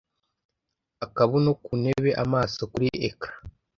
Akabuno ku ntebe amaso kuri ecran